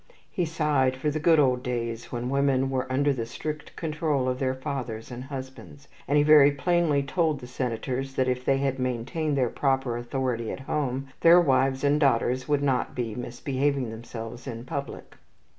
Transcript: He sighed for the good old days when women were under the strict control of their fathers and husbands, and he very plainly told the Senators that if they had maintained their proper authority at home, their wives and daughters would not then be misbehaving themselves in public.